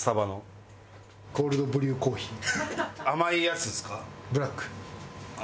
甘いやつですか？